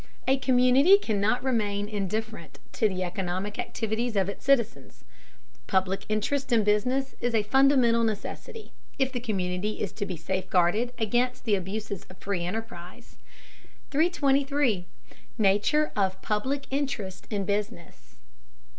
A community cannot remain indifferent to the economic activities of its citizens. Public interest in business is a fundamental necessity, if the community is to be safeguarded against the abuses of free enterprise. 323. NATURE OF PUBLIC INTEREST IN BUSINESS.